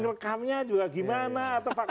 ngerekamnya juga gimana